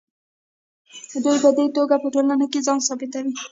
دوی په دې توګه په ټولنه کې ځان ثابتوي.